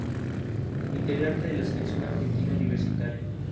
Integrante de la selección argentina universitaria.